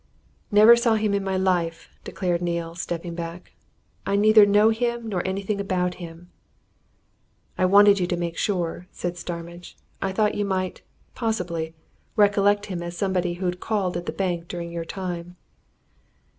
"Never saw him in my life!" declared Neale, stepping back. "I neither know him nor anything about him." "I wanted you to make sure," said Starmidge. "I thought you might possibly recollect him as somebody who'd called at the bank during your time."